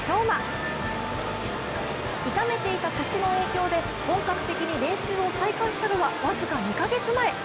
馬痛めていた腰の影響で本格的に練習を再開したのは僅か２カ月前。